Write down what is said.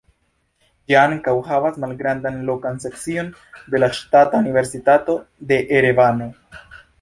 Ĝi ankaŭ havas malgrandan lokan sekcion de la Ŝtata Universitato de Erevano.